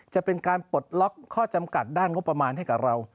จะเป็นการปลดล็อกข้อจำกัดด้านงบประมาณให้กับเรา